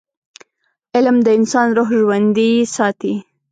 علم د انسان روح ژوندي ساتي.